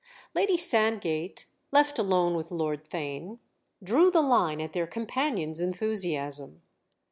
V Lady Sandgate, left alone with Lord Theign, drew the line at their companion's enthusiasm.